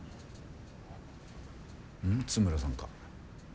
津村さんか。